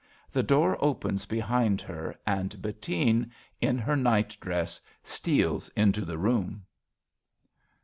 The door opens behind hei', and Bettine, in her night dress, steals into the room.)